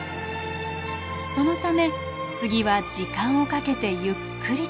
そのため杉は時間をかけてゆっくりと成長。